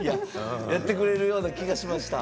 やってくれるような気がしました。